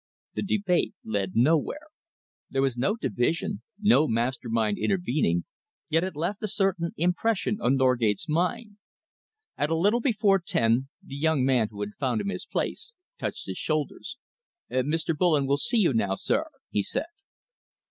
The debate led nowhere. There was no division, no master mind intervening, yet it left a certain impression on Norgate's mind. At a little before ten, the young man who had found him his place touched his shoulder. "Mr. Bullen will see you now, sir," he said.